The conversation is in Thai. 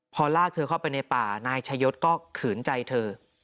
พอลากเธอเข้าไปในป่านายชายศก็ขืนใจเธอ